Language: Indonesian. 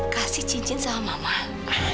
kasih cincin sama mama